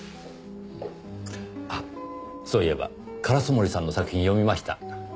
あっそういえば烏森さんの作品読みました。